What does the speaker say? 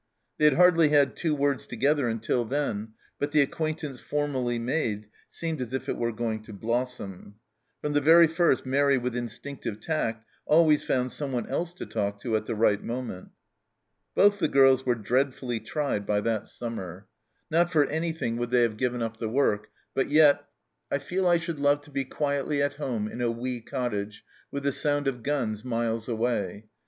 They had hardly had two words together until then, but the acquaintance fprmally made seemed as if it were going to blossom. From the very first Mairi, with instinctive tact, always found someone else to talk to at the right moment. Both the girls were dreadfully tried by that summer. Not for anything would they have given THE STEENKERKE HUT 243 up the work, but yet, " I feel I should love to be quietly at home in a wee cottage with the sound of guns miles away.